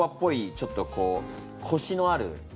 ちょっとこうコシのある。